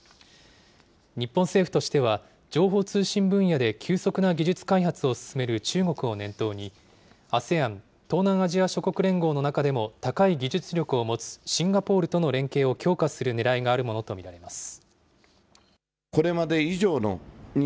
日本政府としては、情報通信分野で急速な技術開発を進める中国を念頭に、ＡＳＥＡＮ・東南アジア諸国連合の中でも高い技術力を持つシンガポールとの連携を強化するねらいがあるものと見られます。